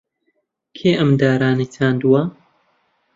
کێ ئەم دارانەی چاندووە؟